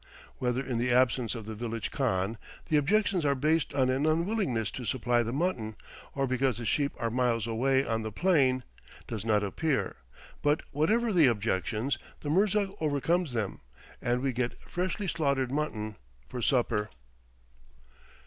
Whether, in the absence of the village khan, the objections are based on an unwillingness to supply the mutton, or because the sheep are miles away on the plain, does not appear; but whatever the objections, the mirza overcomes them, and we get freshly slaughtered mutton for supper.